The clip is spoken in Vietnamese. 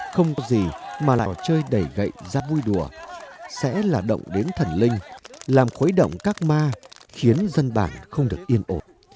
không có gì mà lại chơi đầy gậy ra vui đùa sẽ là động đến thần linh làm khuấy động các ma khiến dân bản không được yên ổn